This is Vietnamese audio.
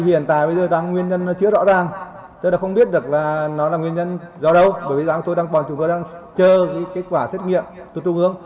hiện tại bây giờ đang nguyên nhân chứa rõ ràng tôi đã không biết được là nó là nguyên nhân do đâu bởi vì tôi đang chờ kết quả xét nghiệm tôi trung ương